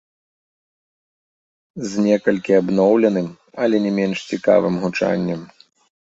З некалькі абноўленым, але не менш цікавым гучаннем.